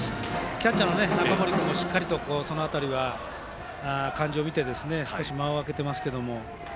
キャッチャーの中森君もその辺りは感じを見て間を空けていますけど。